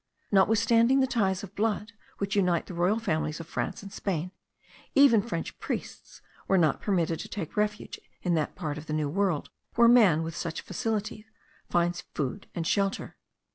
Notwithstanding the ties of blood which unite the royal families of France and Spain, even French priests were not permitted to take refuge in that part of the New World, where man with such facility finds food and shelter.